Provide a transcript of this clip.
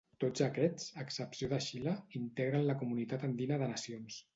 Tots aquests, a excepció de Xile, integren la Comunitat Andina de Nacions.